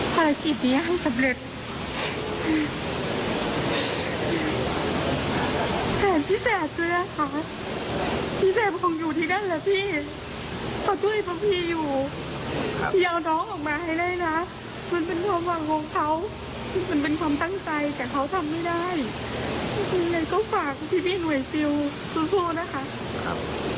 พี่เอาน้องออกมาให้ได้นะมันเป็นความหวงเขามันเป็นความตั้งใจแต่เขาทำไม่ได้ก็ฝากพี่หน่วยศิลป์สู้นะคะ